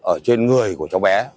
ở trên người của cháu bé